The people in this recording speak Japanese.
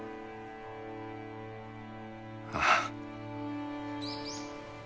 ああ。